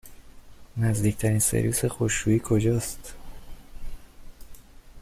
نزدیکترین سرویس خشکشویی کجاست؟